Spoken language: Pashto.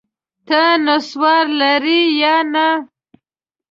ته نسوار لرې یا نه؟